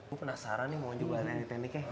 gue penasaran nih mau coba tekniknya